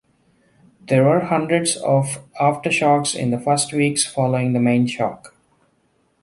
There were hundreds of aftershocks in the first weeks following the main shock.